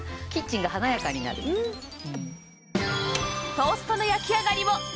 トーストの焼き上がりもカリッと！